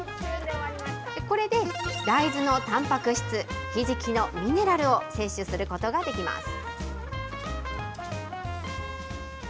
これで大豆のたんぱく質、ひじきのミネラルを摂取することができます。